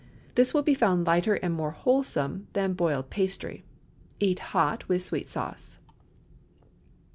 This will be found lighter and more wholesome than boiled pastry. Eat hot with sweet sauce.